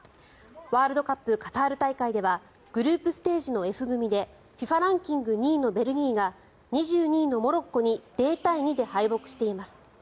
ワールドカップカタール大会ではグループステージのＦ組でＦＩＦＡランキング２位のベルギーが２２位のモロッコに０対２で敗北しています。